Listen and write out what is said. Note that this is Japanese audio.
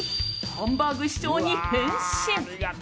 ハンバーグ師匠に変身。